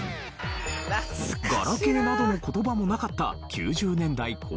ガラケーなどの言葉もなかった９０年代後半。